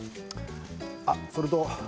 あっそれと。